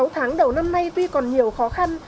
sáu tháng đầu năm nay tuy còn nhiều khó khăn